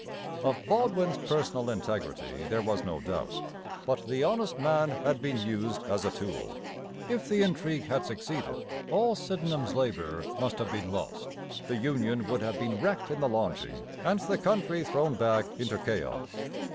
Of Baldwin's personal integrity there was no doubt; but the honest man had been used as a tool. If the intrigue had succeeded, all Sydenham's labour must have been lost, the Union would have been wrecked in the launching, and the country thrown back into chaos.